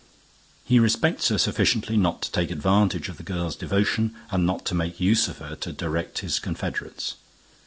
He respects her sufficiently not to take advantage of the girl's devotion and not to make use of her to direct his confederates.